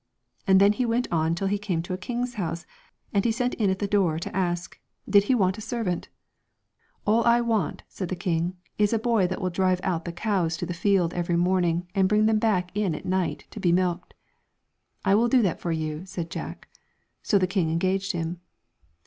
And then he went on till he came to a king's house, and he sent in at the door to ask, ' Did he want 212 a servant ?'' All I want,' said the king, Dreams fe that have ' is a boy that will drive out the cows to no Moral. the field every morning, and bring them in at night to be milked.' ' I will do that for you,' said Jack ; so the king engaged him.